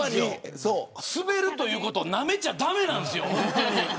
すべるということをなめちゃ駄目なんですよ。